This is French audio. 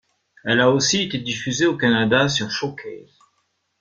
Elle a aussi été diffusée au Canada sur Showcase.